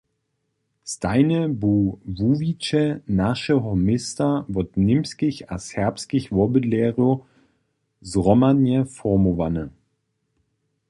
Stajnje bu wuwiće našeho města wot němskich a serbskich wobydlerjow zhromadnje formowane.